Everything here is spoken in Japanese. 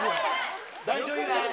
大女優さんに。